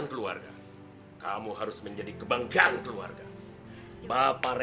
dengan segala kekurangan saya